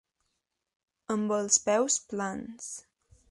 Amb els peus plans.